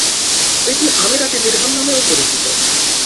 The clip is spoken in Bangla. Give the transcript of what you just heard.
এটি আমিরাতি দিরহাম নামেও পরিচিত।